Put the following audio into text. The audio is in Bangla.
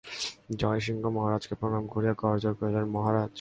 জয়সিংহ মহারাজকে প্রণাম করিয়া করজোড়ে কহিলেন, মহারাজ, আমি বহুদূরদেশে চলিয়া যাইতেছি।